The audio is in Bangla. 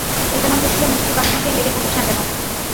এটা না বুঝলে মিষ্টি বানানোতেই লেগে থাকিস না কেন?